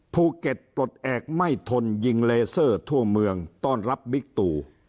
ภูเก็ตปลดแอบไม่ทนยิงเลเซอร์ทั่วเมืองต้อนรับบิ๊กตู